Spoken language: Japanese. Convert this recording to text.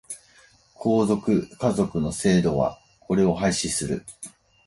皇族、華族の制度はこれを廃止する。